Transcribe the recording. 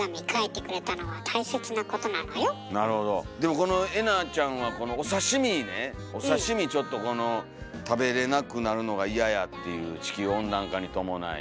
でもこのえなちゃんはこのお刺身ねお刺身ちょっとこの食べれなくなるのが嫌やっていう地球温暖化に伴い。